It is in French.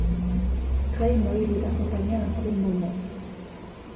Streymoy les accompagna un court moment.